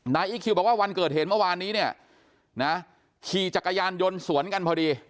อีคคิวบอกว่าวันเกิดเหตุเมื่อวานนี้เนี่ยนะขี่จักรยานยนต์สวนกันพอดี